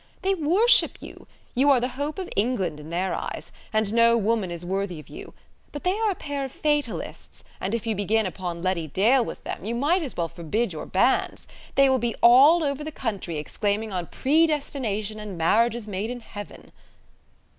They worship you: you are the hope of England in their eyes, and no woman is worthy of you: but they are a pair of fatalists, and if you begin upon Letty Dale with them, you might as well forbid your banns. They will be all over the country exclaiming on predestination and marriages made in heaven."